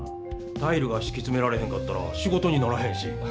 タイルがしきつめられへんかったら仕事にならへんし。